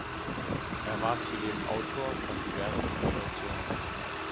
Er war zudem Autor von diversen Publikationen.